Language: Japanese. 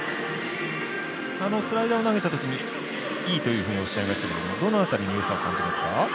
スライダーを投げたときにいいというふうにおっしゃいましたけどもどの辺りによさを感じますか？